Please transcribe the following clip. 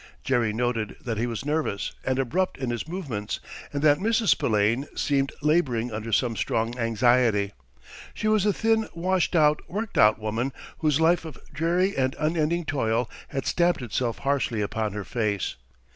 Jerry noted that he was nervous and abrupt in his movements, and that Mrs. Spillane seemed laboring under some strong anxiety. She was a thin, washed out, worked out woman, whose life of dreary and unending toil had stamped itself harshly upon her face.